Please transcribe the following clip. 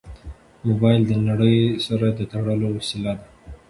موبایل د نړۍ سره د تړاو وسیله ده.